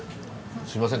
すいません